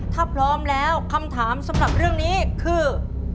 ถ้าพร้อมแล้วคำถามสำหรับเรื่องนี้คือ